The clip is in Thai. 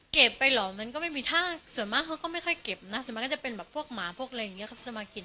ไปเหรอมันก็ไม่มีถ้าส่วนมากเขาก็ไม่ค่อยเก็บนะส่วนมันก็จะเป็นแบบพวกหมาพวกอะไรอย่างนี้เขาจะมากิน